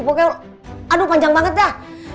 pokoknya aduh panjang banget dah